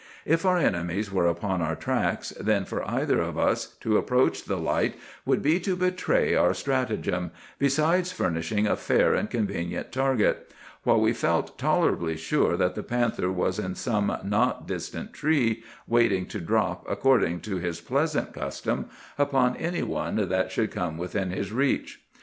"If our enemies were upon our tracks, then for either of us to approach the light would be to betray our stratagem, besides furnishing a fair and convenient target; while we felt tolerably sure that the panther was in some not distant tree, waiting to drop, according to his pleasant custom, upon any one that should come within his reach.